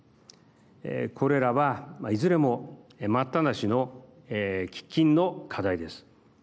これらはいずれも待ったなしの喫緊の課題です。